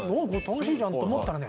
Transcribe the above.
楽しいじゃんって思ったらね